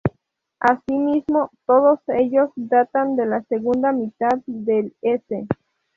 Así mismo, todos ellos datan de la segunda mitad del s.